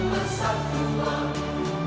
besar besar jalan jalan bersama